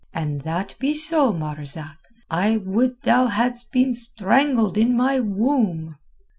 And that be so, Marzak, I would thou hadst been strangled in my womb."